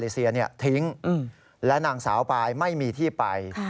เซียทิ้งและนางสาวปายไม่มีที่ไป